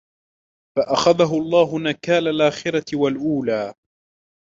فَأَخَذَهُ اللَّهُ نَكَالَ الْآخِرَةِ وَالْأُولَى